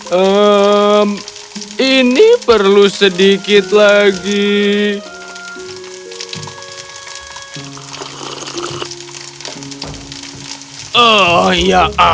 hmm ini perlu sedikit lagi